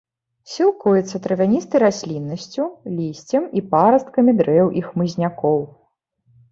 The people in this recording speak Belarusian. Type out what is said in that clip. Сілкуецца травяністай расліннасцю, лісцем і парасткамі дрэў і хмызнякоў.